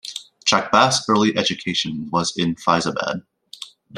Chakbast's early education was in Faizabad.